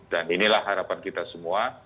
dan inilah harapan kita semua